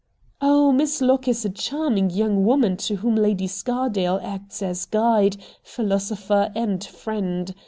'Oh, Miss Locke is a charming young woman to whom Lady Scardale acts as guide, philosopher, and friend.